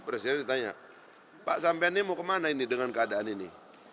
presiden ditanya pak sampean ini mau kemana ini dengan keadaan ini